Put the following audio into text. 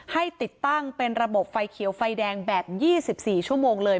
ให้ติดตั้งเป็นระบบไฟเขียวไฟแดงแบบ๒๔ชั่วโมงเลย